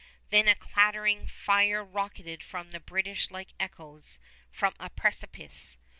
Then a clattering fire rocketed from the British like echoes from a precipice.